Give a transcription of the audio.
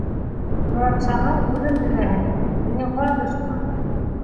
Моратшаның үҙен беләһең, минең ҡан дошман.